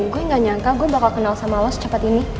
gue gak nyangka gue bakal kenal sama lo secepat ini